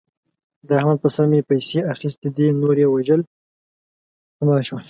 د احمد په سر مې پیسې اخستې دي. نور یې وژل په ما شول.